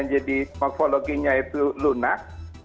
jadi morfologinya itu lunak